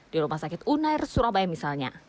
di rumah sakit unair surabaya misalnya